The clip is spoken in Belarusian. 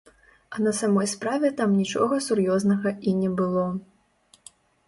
А на самой справе там нічога сур'ёзнага і не было.